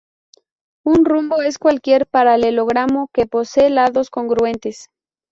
Un rombo es cualquier paralelogramo que posee lados congruentes.